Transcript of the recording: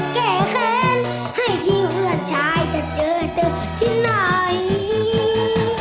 แค่แค้นให้ที่หัวชายจะเจอเธอที่ไหน